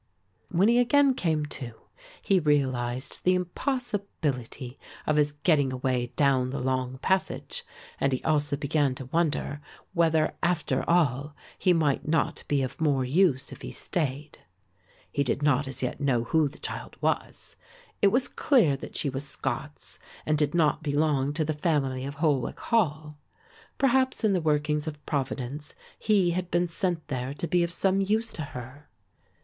When he again came to, he realised the impossibility of his getting away down the long passage, and he also began to wonder whether after all he might not be of more use if he stayed. He did not as yet know who the child was; it was clear that she was Scots and did not belong to the family of Holwick Hall; perhaps in the workings of Providence he had been sent there to be of some use to her.